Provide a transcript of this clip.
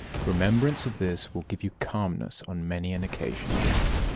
Remembrance of this will give you calmness on many an occasion.